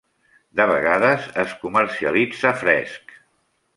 De vegades es comercialitza fresc.